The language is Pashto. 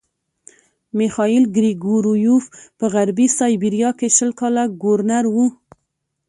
میخایل ګریګورویوف په غربي سایبیریا کې شل کاله ګورنر وو.